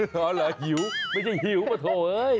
เหรอเหรอหิวไม่ใช่หิวป่าโถ่